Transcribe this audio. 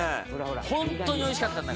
「ホントにおいしかったんだから」